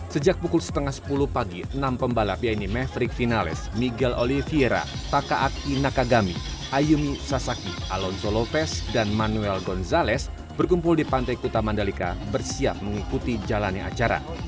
sejak pukul setengah sepuluh pagi enam pembalap yaitu maverick finales miguel oliviera taka aki nakagami ayumi sasaki alonsolopes dan manuel gonzalez berkumpul di pantai kuta mandalika bersiap mengikuti jalannya acara